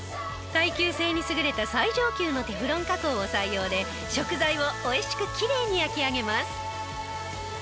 耐久性に優れた最上級のテフロン加工を採用で食材を美味しくきれいに焼き上げます。